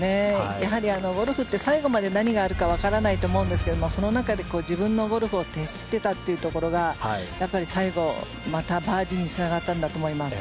やはりゴルフって最後まで何があるかわからないと思うんですがその中で自分のゴルフに徹していたというのが最後、またバーディーにつながったんだと思います。